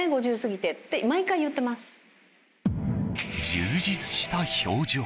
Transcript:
充実した表情。